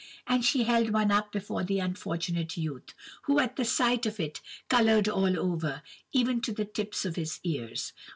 and she held one up before the unfortunate youth, who at the sight of it coloured all over, even to the tips of his ears.